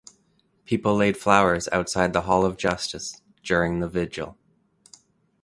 People laid flowers outside the Hall of Justice during the vigil.